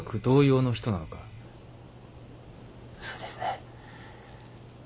そうですね。